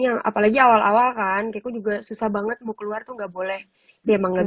nanti kalo kekurangan kekurangan